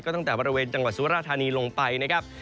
ตั้งแต่บริเวณจังหวัดสุราธานีลงไปนะครับ